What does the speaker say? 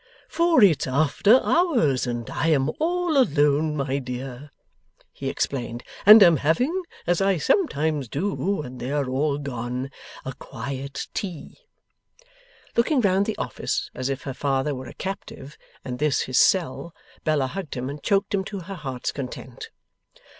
'For it's after hours and I am all alone, my dear,' he explained, 'and am having as I sometimes do when they are all gone a quiet tea.' Looking round the office, as if her father were a captive and this his cell, Bella hugged him and choked him to her heart's content.